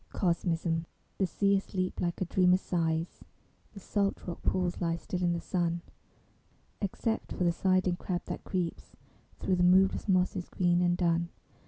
COSMISM The sea asleep like a dreamer sighs; The salt rock pools lie still in the sun, Except for the sidling crab that creeps Thro the moveless mosses green and dun.